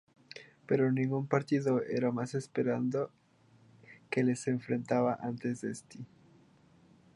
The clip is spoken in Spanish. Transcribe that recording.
Pero ningún partido era más esperado que el que les enfrentaba ante St.